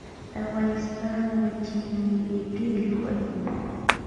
د افغانستان وچې مېوې ډېرې خوږې دي.